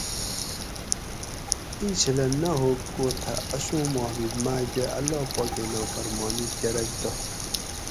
ایں چھلہ نہ ھوگ کو تھہ اسوں محبت ماکہ اللّٰہ پاکیں نافرمانی کرگ تہ